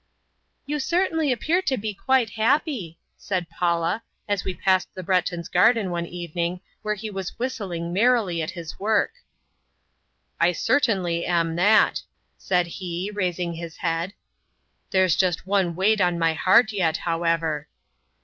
"You certainly appear to be quite happy," said Paula, as we passed the Breton's garden one evening where he was whistling merrily at his work. "I certainly am that," said he, raising his head. "There's just one weight on my heart yet, however."